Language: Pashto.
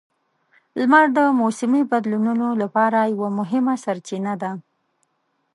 لمر د موسمي بدلونونو لپاره یوه مهمه سرچینه ده.